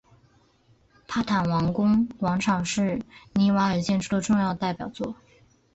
帕坦王宫广场是尼瓦尔建筑的重要代表作。